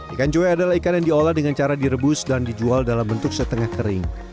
ikan cuy adalah ikan yang diolah dengan cara direbus dan dijual dalam bentuk setengah kering